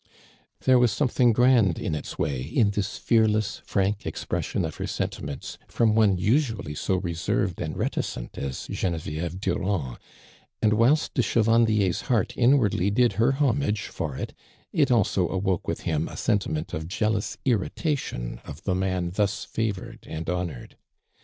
There was something grand in its way in this fearless, frank expression of her sen timents from one usually so reserved and reticent as (ienevieve Durand, and whilst de Chevandier's heart inwardly did her homage for it, it also awoke within him a sentiment of jealous irritation of the man thus favored and honored.